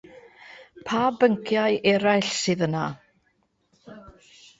Pa bynciau eraill sydd yna?